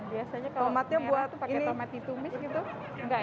biasanya kalau merah pakai tomat ditumis gitu